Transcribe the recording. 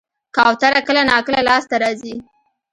کوتره کله ناکله لاس ته راځي.